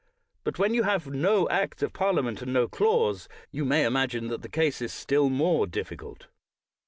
But when you have no Act of Parliament, and no clause, you may imagine that the case is still more difficult.